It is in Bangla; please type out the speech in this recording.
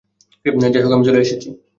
যাইহোক আমি চলে এসেছি।